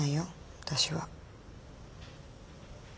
私は。